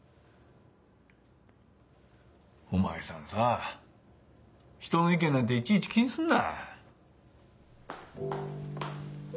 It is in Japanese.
お前さんさぁ人の意見なんていちいち気にすんな！